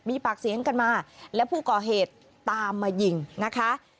มีปากเสียงกันมาและผู้ก่อเหตุตามมายิงนะคะ